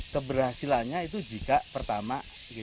keberhasilannya itu jika pertama